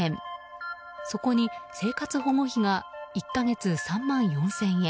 そこに生活保護費が１か月３万４０００円。